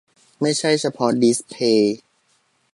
ไม่ใช่เฉพาะดิสเพลย์